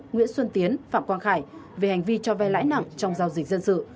nguyễn xuân tiến phạm quang khải về hành vi cho vay lãi nặng trong giao dịch dân sự